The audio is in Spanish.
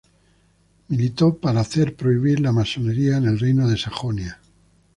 Militó para hacer prohibir la masonería en el reino de Sajonia.